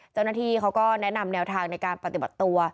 เจ้าหน้าที่เขาก็แนะนำแนวทางในการปฏิบัติตัว